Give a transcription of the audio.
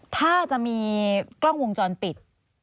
ถ้าจะมีกล้องวงจรปิด